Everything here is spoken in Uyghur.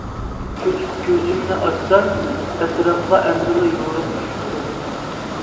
چۆچۈپ كۆزۈمنى ئاچسام، ئەتراپقا ئەمدىلا يورۇق چۈشۈپتۇ.